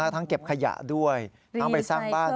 ทั้งเก็บขยะด้วยทั้งไปสร้างบ้านด้วย